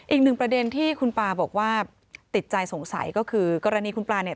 อีกหนึ่งประเด็นที่คุณปลาบอกว่าติดใจสงสัยก็คือกรณีคุณปลาเนี่ย